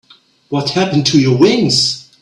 What happened to your wings?